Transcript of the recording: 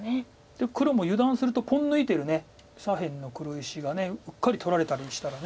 黒も油断するとポン抜いてる左辺の黒石がうっかり取られたりしたらね。